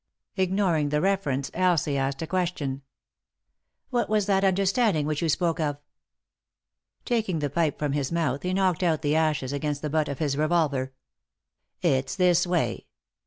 Ignoring the reference, Elsie asked a question. "What was that understanding which you spoke of?" laking the pipe from his mouth he knocked out the ashes against the butt of his revolver. "It's this way.